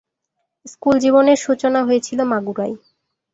School জীবনের সূচনা হয়েছিল মাগুরায়।